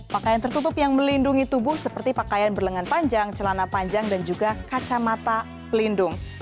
pakaian tertutup yang melindungi tubuh seperti pakaian berlengan panjang celana panjang dan juga kacamata pelindung